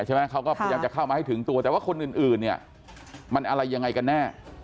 อยากจะเข้ามาให้ถึงตัวแต่ว่าคนอื่นมันอะไรยังไงกันแน่